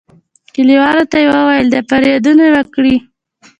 کلیوالو ته یې ویل د فریادونه وکړي.